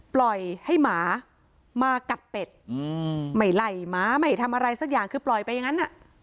ปล่อยให้หมามากัดเป็ดไม่ไหลหมาไม่ทำอะไรสักอย่างคือปล่อยไปอย่างนั้น